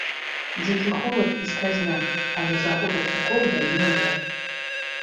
Дзікі холад і скразняк, але захутацца коўдрай нельга.